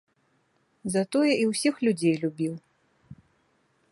Затое і ўсіх людзей любіў.